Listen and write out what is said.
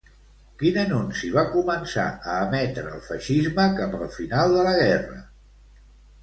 Quin anunci va començar a emetre el feixisme cap al final de la guerra?